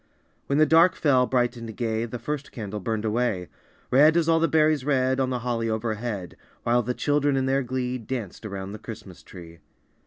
When the dark fell, bright and gay The first candle burned away, Red as all the berries red On the holly overhead, While the children in their glee Danced around the Christmas tree.